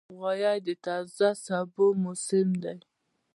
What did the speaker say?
غویی د تازه سابو موسم دی.